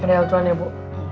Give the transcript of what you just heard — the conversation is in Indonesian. ada yang lelucuan ya bu